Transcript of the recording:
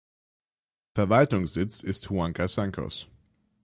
Verwaltungssitz ist Huanca Sancos.